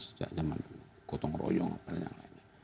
sejak zaman gotong royong dan yang lainnya